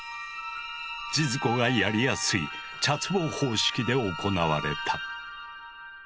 千鶴子がやりやすい茶壺方式で行われた。